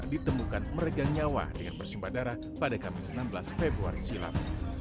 ditemukan meregang nyawa dengan bersumpah darah pada kamis enam belas februari silam